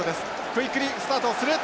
クイックリスタートをする。